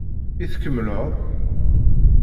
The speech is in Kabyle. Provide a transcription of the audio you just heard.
I tkemmleḍ?